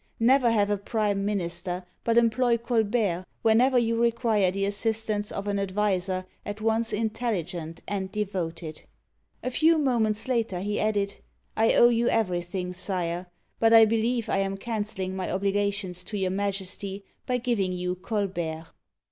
Never have a prime minister, but employ Colbert (c5l bar') when ever you require the assistance of an adviser at once in telligent and devoted.*' A few moments later, he added, " I owe you everything. Sire, but I believe I am canceling my^obligations to your Majesty by giving you Colbert."